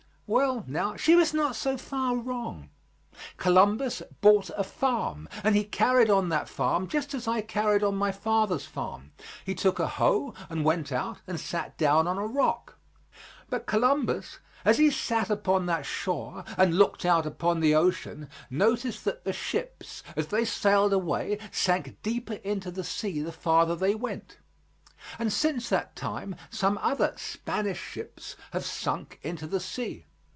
Well, now, she was not so far wrong. Columbus bought a farm and he carried on that farm just as I carried on my father's farm. He took a hoe and went out and sat down on a rock. But Columbus, as he sat upon that shore and looked out upon the ocean, noticed that the ships, as they sailed away, sank deeper into the sea the farther they went. And since that time some other "Spanish ships" have sunk into the sea.